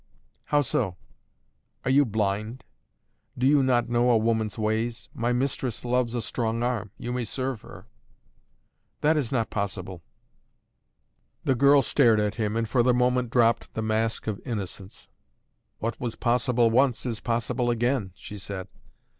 "How so?" "Are you blind? Do you not know a woman's ways? My mistress loves a strong arm. You may serve her." "That is not possible!" The girl stared at him and for the moment dropped the mask of innocence. "What was possible once, is possible again," she said.